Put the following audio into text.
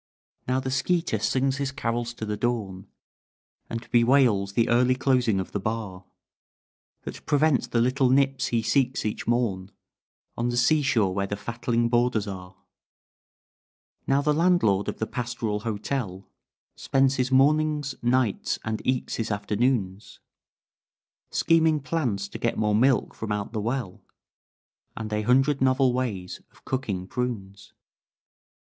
"Now the skeeter sings his carols to the dawn, And bewails the early closing of the bar That prevents the little nips he seeks each morn On the sea shore where the fatling boarders are. "Now the landlord of the pastoral hotel Spends his mornings, nights, and eke his afternoons, Scheming plans to get more milk from out the well, And a hundred novel ways of cooking prunes.